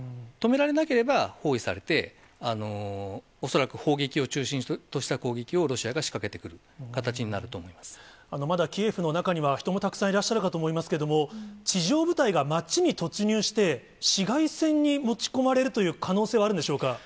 止められなければ包囲されて、恐らく砲撃を中心とした攻撃をロシアが仕掛けてくる形になると思まだキエフの中には、人もたくさんいらっしゃるかと思いますけれども、地上部隊が街に突入して、市街戦に持ち込まれるという可能性はあるんでしょうか。